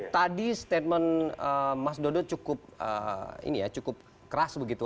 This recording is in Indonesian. tadi statement mas dodo cukup keras begitu